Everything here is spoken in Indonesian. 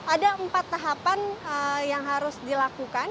ada empat tahapan yang harus dilakukan